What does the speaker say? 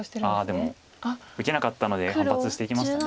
でも受けなかったので反発していきました。